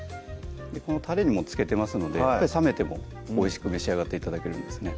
たれにも漬けてますので冷めてもおいしく召し上がって頂けるんですね